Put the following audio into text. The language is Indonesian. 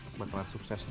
buat pengat sukses